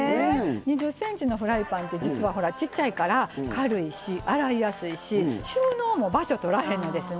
２０ｃｍのフライパンって実はほらちっちゃいから軽いし洗いやすいし収納も場所とらへんのですね。